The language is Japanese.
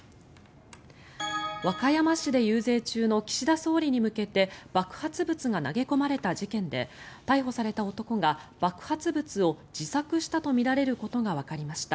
和歌山市で遊説中の岸田総理に向けて爆発物が投げ込まれた事件で逮捕された男が爆発物を自作したとみられることがわかりました。